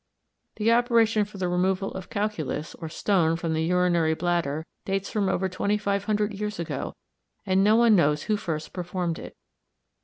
The operation for the removal of calculus, or stone, from the urinary bladder dates from over twenty five hundred years ago, and no one knows who first performed it.